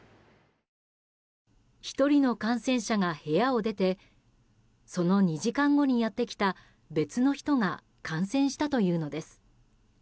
１人の感染者が部屋を出てその２時間後にやってきた別の人が感染したというのです。